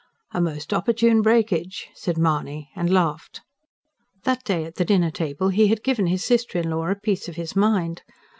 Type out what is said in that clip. "A most opportune breakage!" said Mahony, and laughed. That day at the dinner table he had given his sister in law a piece of his mind.